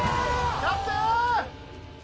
キャプテーン！